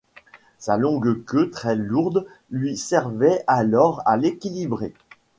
Sa longue queue très lourde lui servait alors à s'équilibrer.